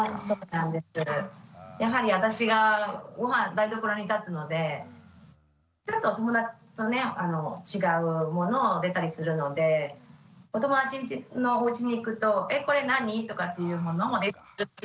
やはり私がごはん台所に立つのでちょっと友達とね違うものが出たりするのでお友達んちのおうちに行くと「えこれ何？」とかっていうものも出てくるときがあります。